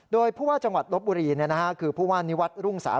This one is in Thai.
โดยผู้ว่าจังหวัดลบบุรีคือผู้ว่านิวัตรรุ่งสา